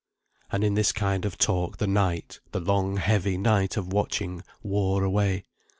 And in this kind of talk the night, the long heavy night of watching, wore away.